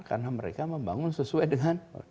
karena mereka membangun sesuai dengan